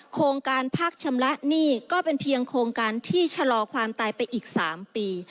โครงการพักชำระหนี้ก็เป็นเพียงโครงการที่ชะลอความตายไปอีก๓ปี